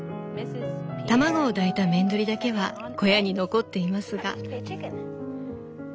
卵を抱いたメンドリだけは小屋に残っていますが」。